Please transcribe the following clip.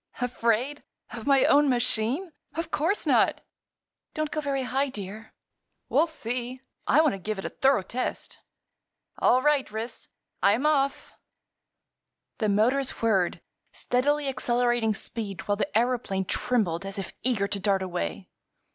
"Afraid! Of my own machine? Of course not." "Don't go very high, dear." "We'll see. I want to give it a thorough test. All right, Ris; I'm off!" The motors whirred, steadily accelerating speed while the aëroplane trembled as if eager to dart away.